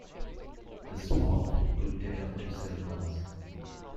The swap could take up to seven months.